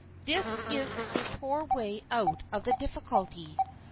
This is a poor way out of the difficulty.